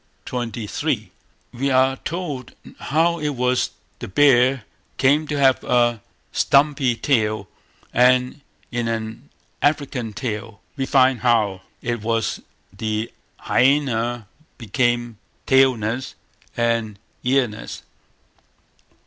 xxiii, we are told how it was the bear came to have a stumpy tail, and in an African tale, we find how it was the hyaena became tailless and earless.